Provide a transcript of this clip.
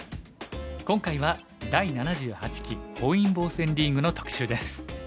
今回は第７８期本因坊戦リーグの特集です。